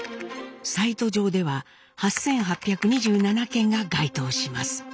サイト上では８，８２７件が該当します。